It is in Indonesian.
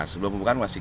sebelum membuka masih